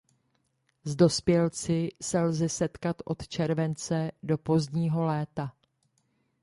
S dospělci se lze setkat od července do pozdního léta.